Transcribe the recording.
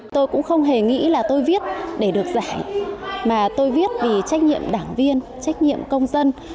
tôi cũng không hề nghĩ là tôi viết để được giải mà tôi viết vì trách nhiệm đảng viên trách nhiệm công dân